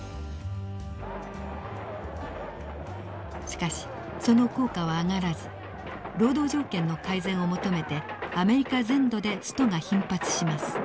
しかしその効果は上がらず労働条件の改善を求めてアメリカ全土でストが頻発します。